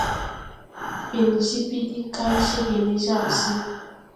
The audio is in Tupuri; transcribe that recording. Fen jiɓiddi kaŋ cégè ne jar se.